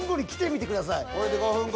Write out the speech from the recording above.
これで５分後。